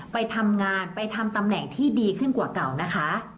ไปทำงานไปทำตำแหน่งที่ดีขึ้นกว่าเก่านะคะ